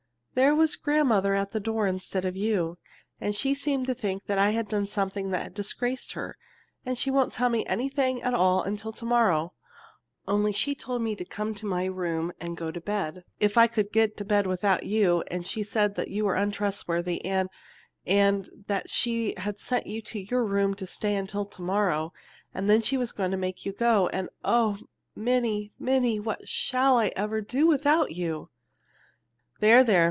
there was grandmother at the door instead of you. And she seems to think that I have done something that has disgraced her, and she won't tell me anything at all until to morrow, only she told me to come to my room and go to bed if I could get to bed without you and she said you were untrustworthy and and that she had sent you to your room to stay until to morrow, and then she is going to make you go, and oh, Minnie, Minnie, what shall I ever do without you?" "There, there!